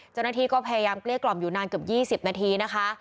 เจ้าหน้าที่ก็พยายามเกลี้ยกล่อมอยู่นานเกือบ๒๐นาทีนะคะ